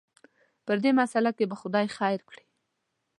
په دې مساله کې به خدای خیر کړي.